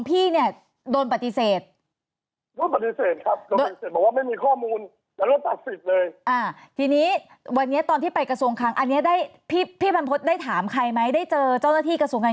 ทุกอย่างใบขับขี่ที่เป็นใบขับขี่สาธารณะอะไรต่างกันคือทุกอย่างใบขับขี่ที่เป็นใบขับขี่สาธารณะอะไรต่างกัน